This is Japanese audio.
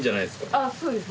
あっそうです。